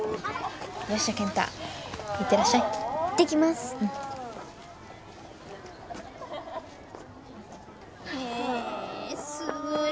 ・すごい。